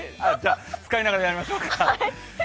使いながらやりましょうか。